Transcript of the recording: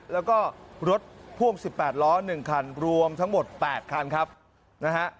แล้วก็รถพ่วง๑๘ล้อ๑คันรวมทั้งหมด๘คันครับนะฮะ